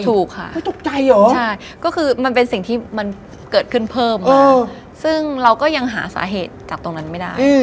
ถูกค่ะใช่ก็คือมันเป็นสิ่งที่มันเกิดขึ้นเพิ่มซึ่งเราก็ยังหาสาเหตุจากตรงนั้นไม่ได้